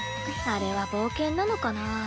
あれは冒険なのかな？